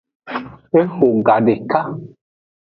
Eho gadeka.